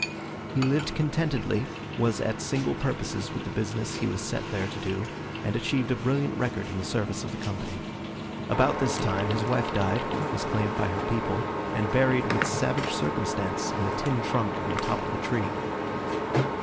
He lived contentedly, was at single purposes with the business he was set there to do, and achieved a brilliant record in the service of the Company. About this time his wife died, was claimed by her people, and buried with savage circumstance in a tin trunk in the top of a tree.